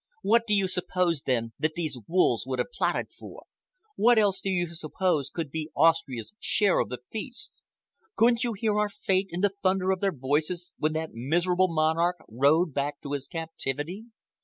"What do you suppose, then, that these wolves have plotted for? What else do you suppose could be Austria's share of the feast? Couldn't you hear our fate in the thunder of their voices when that miserable monarch rode back to his captivity?